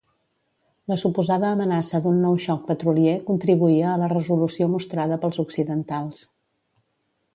La suposada amenaça d'un nou xoc petrolier contribuïa a la resolució mostrada pels occidentals.